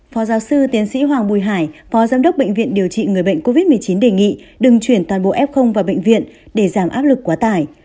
phó giáo sư tiến sĩ hoàng bùi hải phó giám đốc bệnh viện điều trị người bệnh covid một mươi chín đề nghị đừng chuyển toàn bộ f vào bệnh viện để giảm áp lực quá tải